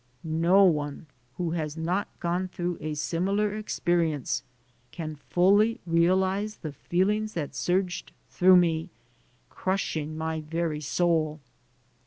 No one who has not gone through a similar experience can fully realize the feelings that surged through me, crushing my very soul.